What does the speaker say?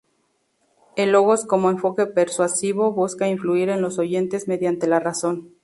El logos como enfoque persuasivo busca influir en los oyentes mediante la razón.